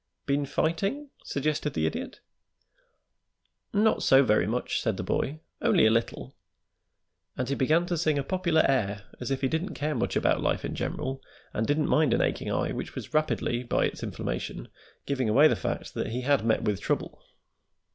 "Been fighting?" suggested the Idiot. "Not so very much," said the boy; "only a little." And he began to sing a popular air, as if he didn't care much about life in general, and didn't mind an aching eye, which was rapidly, by its inflammation, giving away the fact that he had met with trouble.